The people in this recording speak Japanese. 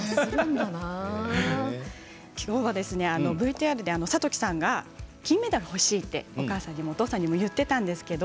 きょうはＶＴＲで諭樹さんが金メダル欲しいってお母さんにもお父さんにも言ってたんですけど